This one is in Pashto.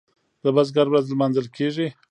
د بزګر ورځ لمانځل کیږي.